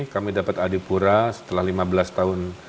kami dapat adipura setelah lima belas tahun